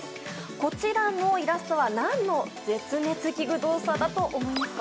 こちらのイラストは何の絶滅危惧動作だと思いますか？